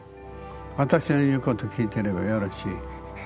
私の言うこと聞いていればよろしい。